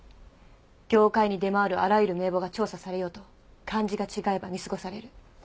業界に出回るあらゆる名簿が調査されようと漢字が違えば見過ごされる。